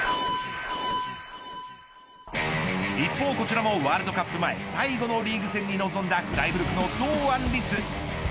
一方こちらもワールドカップ前最後のリーグ戦に臨んだフライブルクの堂安律。